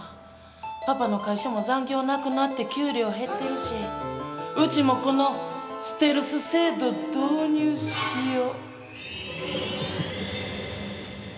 パパの会社も残業なくなって、給料減ってるし、うちもこのステルス制度、導入しよ。